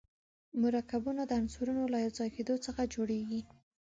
مرکبونه د عنصرونو له یو ځای کېدو څخه جوړیږي.